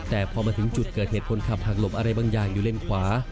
แต่พอมาถึงจุดเกิดเหตุคนขับหักหลบอะไรบางอย่างอยู่เลนขวา